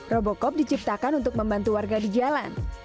robocop diciptakan untuk membantu warga di jalan